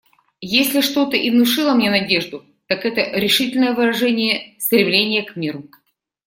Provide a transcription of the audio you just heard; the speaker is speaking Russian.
Если что-то и внушило мне надежду, так это решительное выражение стремления к миру.